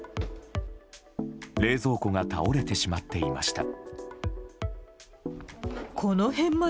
冷蔵庫が倒れてしまっていました。